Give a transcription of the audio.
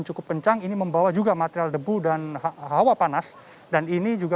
cukup kencang ini membawa juga material debu dan hawa panas dan ini juga